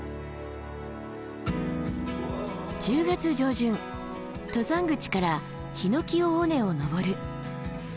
１０月上旬登山口から檜尾尾根を登る。